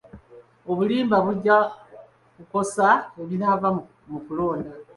Obulimba bujja kukosa ebinaava mu kulonda.